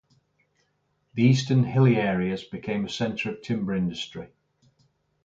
The eastern hilly areas became a center of timber industry.